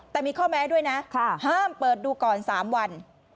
แต่มีข้อแม้ด้วยนะห้ามเปิดดูก่อน๓วัน